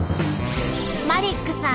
マリックさん